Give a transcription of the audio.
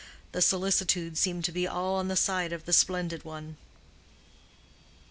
The solicitude seemed to be all on the side of the splendid one.